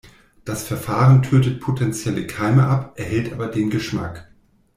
Das Verfahren tötet potenzielle Keime ab, erhält aber den Geschmack.